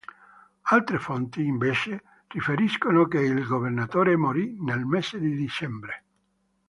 Altre fonti, invece, riferiscono che il Governatore morì nel mese di dicembre.